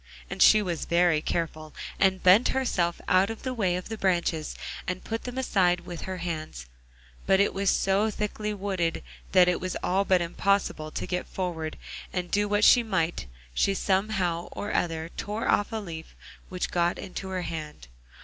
And she was very careful, and bent herself out of the way of the branches, and put them aside with her hands; but it was so thickly wooded that it was all but impossible to get forward, and do what she might, she somehow or other tore off a leaf which got into her hand.